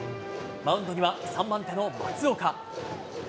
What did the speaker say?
マウンドには３番手の松岡。